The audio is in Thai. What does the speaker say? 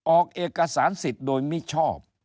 ออกเอกสารสิทธิ์โดยมิชอบ